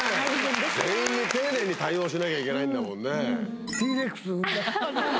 全員に丁寧に対応しなきゃいけないんだもんね。